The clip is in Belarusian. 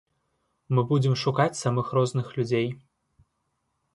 Мы будзем шукаць самых розных людзей.